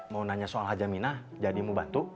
mau nanya soal hajamina jadi mau bantu